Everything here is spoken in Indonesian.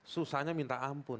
susahnya minta ampun